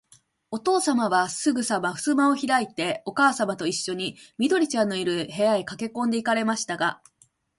おとうさまは、すぐさまふすまをひらいて、おかあさまといっしょに、緑ちゃんのいる、部屋へかけこんで行かれましたが、